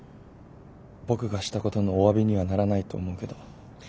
僕がしたことのおわびにはならないと思うけど。